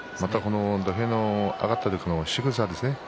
土俵に上がったしぐさですね。